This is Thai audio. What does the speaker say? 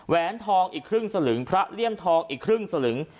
แหนทองอีกครึ่งสลึงพระเลี่ยมทองอีกครึ่งสลึง